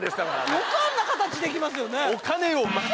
よくあんな形できますよね。